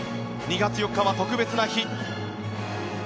２月４日は特別な日。